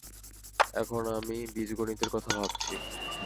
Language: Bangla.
এখন আমি বীজগণিতের কথা ভাবছি।